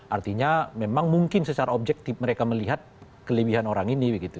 artinya memang mungkin secara objektif mereka melihat kelebihan orang ini